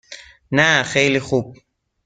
نه خیلی خوب.